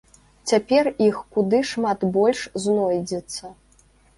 Цяпер іх куды шмат больш знойдзецца.